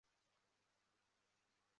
未公开